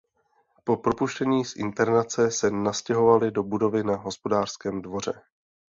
Po propuštění z internace se nastěhovali do budovy v hospodářském dvoře.